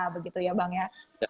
begitu ya bang ya